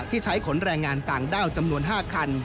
ใช้ขนแรงงานต่างด้าวจำนวน๕คัน